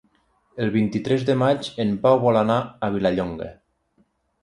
El vint-i-tres de maig en Pau vol anar a Vilallonga.